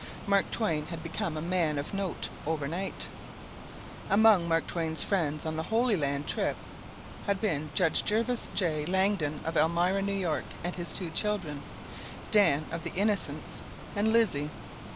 Mark Twain had become a man of note over night. Among Mark Twain's friends on the Holy Land trip had been Judge Jervis J. Langdon of Elmira, N.Y., and his two children, Dan of the "Innocents" and Lizzie.